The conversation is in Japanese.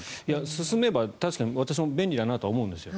進めば、確かに私も便利だなと思うんですよ。